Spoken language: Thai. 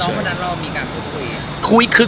กับน้องเมื่อนั้นเรามีการคุย